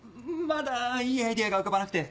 まだいいアイデアが浮かばなくて。